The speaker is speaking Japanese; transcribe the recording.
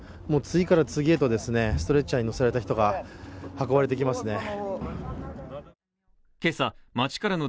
もう次から次へとストレッチャーに乗せられた人が運ばれてきますね。